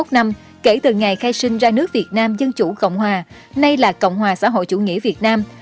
hai mươi một năm kể từ ngày khai sinh ra nước việt nam dân chủ cộng hòa nay là cộng hòa xã hội chủ nghĩa việt nam